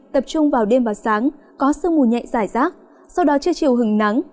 tập trung vào đêm và sáng có sương mù nhẹ dài rác sau đó chưa chịu hứng nắng